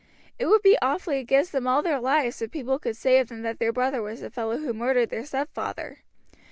It would be awfully against them all their lives if people could say of them that their brother was the fellow who murdered their stepfather.